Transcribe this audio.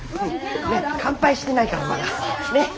乾杯してないからさねえ。